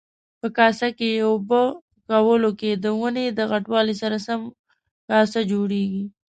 په کاسه یي اوبه کولو کې د ونې د غټوالي سره سم کاسه جوړیږي.